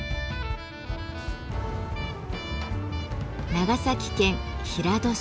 長崎県平戸市。